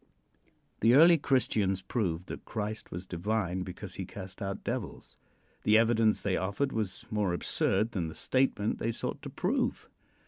The early Christians proved that Christ was divine because he cast out devils. The evidence they offered was more absurd than the statement they sought to prove.